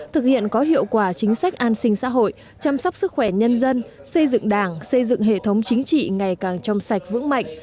thực hiện có hiệu quả chính sách an sinh xã hội chăm sóc sức khỏe nhân dân xây dựng đảng xây dựng hệ thống chính trị ngày càng trong sạch vững mạnh